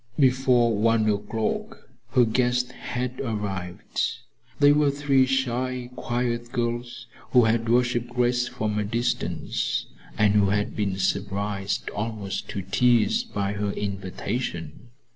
Before one o'clock her guests had arrived. They were three shy, quiet girls who had worshiped Grace from a distance, and who had been surprised almost to tears by her invitation.